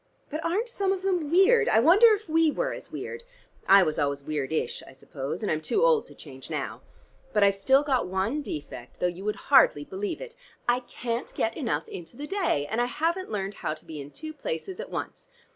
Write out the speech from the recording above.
But aren't some of them weird? I wonder if we were as weird; I was always weirdish, I suppose, and I'm too old to change now. But I've still got one defect, though you would hardly believe it: I can't get enough into the day, and I haven't learned how to be in two places at once.